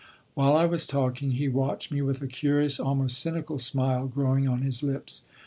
While I was talking, he watched me with a curious, almost cynical, smile growing on his lips.